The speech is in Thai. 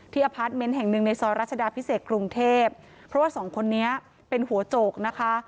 อพาร์ทเมนต์แห่งหนึ่งในซอยรัชดาพิเศษกรุงเทพเพราะว่าสองคนนี้เป็นหัวโจกนะคะ